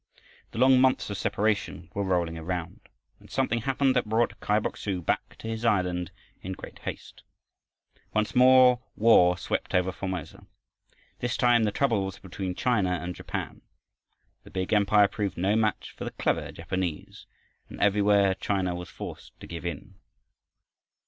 The long months of separation were rolling around, when something happened that brought Kai Bok su back to his island in great haste. Once more war swept over Formosa. This time the trouble was between China and Japan. The big Empire proved no match for the clever Japanese, and everywhere China was forced to give in.